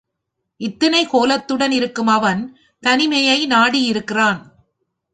இத்தனை கோலத்துடன் இருக்கும் அவன் தனிமையை நாடியிருக்கிறான்.